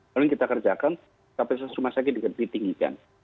lalu kita kerjakan kapasitas rumah sakit ditinggikan